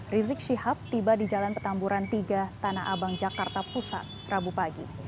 rizik syihab tiba di jalan petamburan tiga tanah abang jakarta pusat rabu pagi